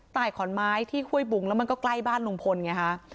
ตายขอนไม้ที่ห้วยบุงแล้วมันก็ใกล้บ้านลุงพลไงฮะ